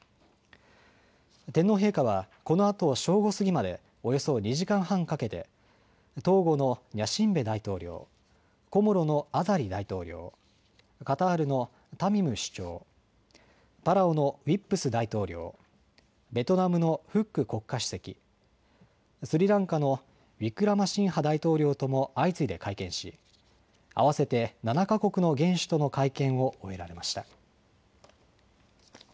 天皇陛下はこのあと正午過ぎまでおよそ２時間半かけてトーゴのニャシンベ大統領、コモロのアザリ大統領、カタールのタミム首長、パラオのウィップス大統領、ベトナムのフック国家主席、スリランカのウィクラマシンハ大統領とも相次いで会見し合わせて７か国の元首との会見を終えられました。